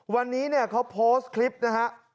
วันนี้เนี่ยเขาโพสต์คลิปนะฮะ